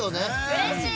うれしい！